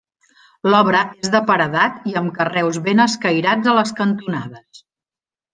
L'obra és de paredat i amb carreus ben escairats a les cantonades.